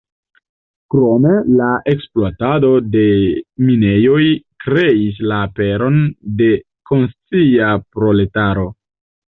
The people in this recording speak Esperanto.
Krome la ekspluatado de minejoj kreis la aperon de konscia proletaro.